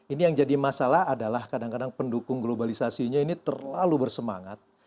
ini yang jadi masalah adalah kadang kadang pendukung globalisasinya ini terlalu bersemangat